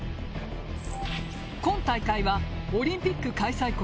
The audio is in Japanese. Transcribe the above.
今大会はオリンピック開催国